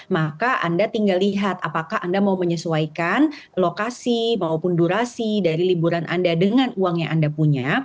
maupun durasi dari liburan anda dengan uang yang anda punya